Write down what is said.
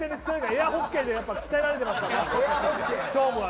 エアホッケーで鍛えられていますから、勝負は。